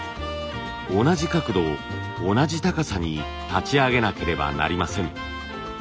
同じ角度同じ高さに立ち上げなければなりません。